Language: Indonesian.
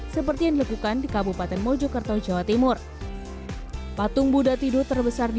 seperti yang dilakukan di kabupaten mojokerto jawa timur patung buddha tidur terbesar di